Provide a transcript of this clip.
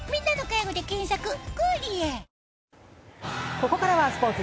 ここからはスポーツ。